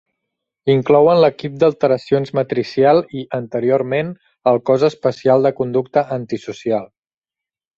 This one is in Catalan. Inclouen l'Equip d'alteracions matricial i, anteriorment, el Cos especial de conducta antisocial.